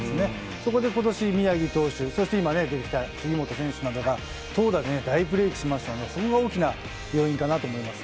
そこで今年、宮城投手杉本選手などが投打で大ブレイクしましたのでそこが大きな要因かなと思います。